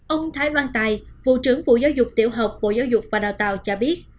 ông thái văn tài vụ trưởng bộ giáo dục tiểu học bộ giáo dục và đào tàu cho biết